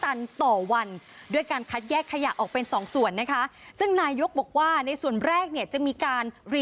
ตันต่อวันด้วยการคัดแยกขยะออกเป็นสองส่วนนะคะซึ่งนายกบอกว่าในส่วนแรกเนี่ยจะมีการรี